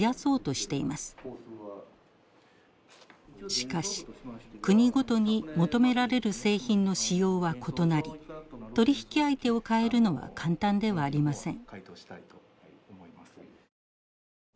しかし国ごとに求められる製品の仕様は異なり取引相手を代えるのは簡単ではありません。